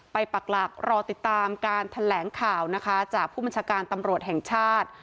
ปักหลักรอติดตามการแถลงข่าวนะคะจากผู้บัญชาการตำรวจแห่งชาติ